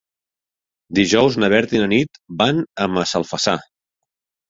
Dijous na Berta i na Nit van a Massalfassar.